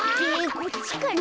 こっちかな？